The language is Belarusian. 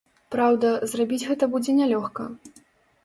Праўда, зрабіць гэта будзе нялёгка.